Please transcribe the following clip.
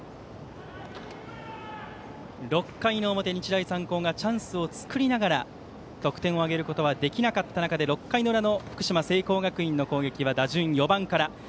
６回の表、日大三高がチャンスを作りながら得点を挙げることはできなかった中で６回の裏、福島・聖光学院の攻撃は打順、４番から。